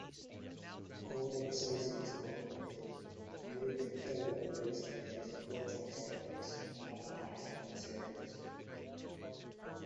Gore and Associates, Incorporated Newark, Delaware-based makers of Gore-Tex fabrics and other high-tech materials.